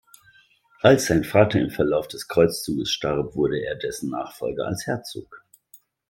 Als sein Vater im Verlauf des Kreuzzuges starb, wurde er dessen Nachfolger als Herzog.